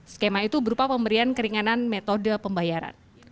skema itu berupa pemberian keringanan metode pembayaran